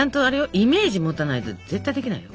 イメージもたないと絶対できないよ。